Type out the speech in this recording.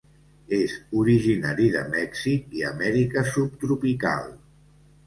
És originari de Mèxic i Amèrica subtropical.